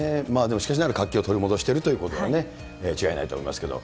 しかしながら活気を取り戻しているということは違いないと思いますけど。